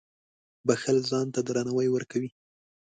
• بښل ځان ته درناوی ورکوي.